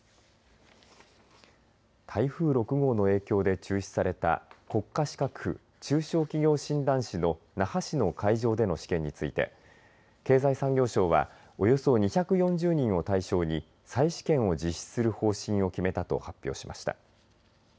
台風６号の影響で中止された国家資格、中小企業診断士の那覇市の会場での試験について経済産業省はおよそ２４０人を対象に再試験を実施する方針を決めたと発表しました。